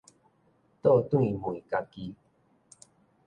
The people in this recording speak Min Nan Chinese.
倒轉問家己